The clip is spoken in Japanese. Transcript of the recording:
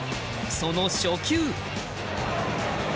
その初球。